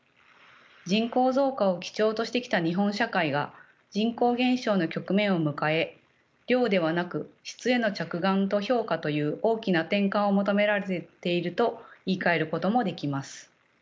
人口増加を基調としてきた日本社会が人口減少の局面を迎え量ではなく質への着眼と評価という大きな転換を求められていると言いかえることもできます。